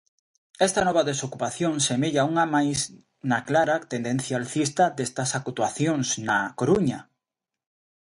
Esta nova desocupación semella unha máis na clara tendencia alcista destas actuacións na Coruña.